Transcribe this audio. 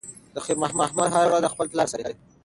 د خیر محمد لور هره ورځ د خپل پلار لاره څاري.